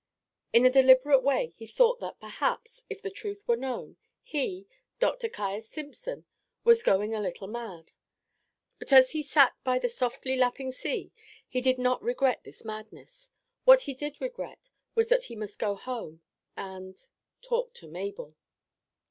In a deliberate way he thought that perhaps, if the truth were known, he, Dr. Caius Simpson, was going a little mad; but as he sat by the softly lapping sea he did not regret this madness: what he did regret was that he must go home and talk to Mabel.